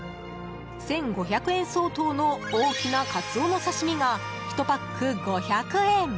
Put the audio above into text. １５００円相当の大きなカツオの刺し身が１パック５００円。